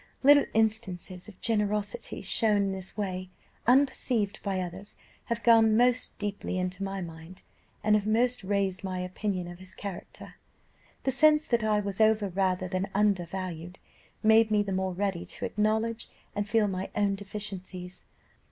Little instances of generosity shown in this way, unperceived by others, have gone most deeply into my mind; and have most raised my opinion of his character. The sense that I was over rather than under valued, made me the more ready to acknowledge and feel my own deficiencies.